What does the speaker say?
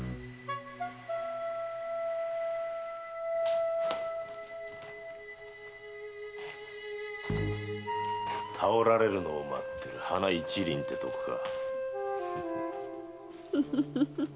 「颯」手折られるのを待ってる花一輪てとこか。